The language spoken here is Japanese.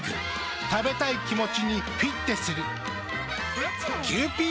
食べたい気持ちにフィッテする。